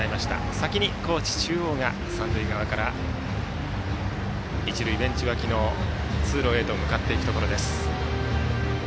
先に高知中央が、三塁側から一塁ベンチ脇の通路へ向かいます。